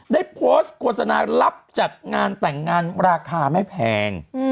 ได้โพสต์โฆษณารับจัดงานแต่งงานราคาไม่แพง